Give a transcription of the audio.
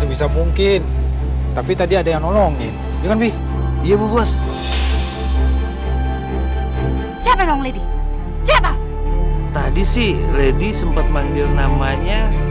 kamu tadi udah julik aku dan julik om roy